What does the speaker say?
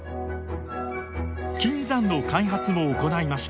金山の開発も行いました。